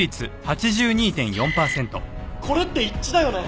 これって一致だよね。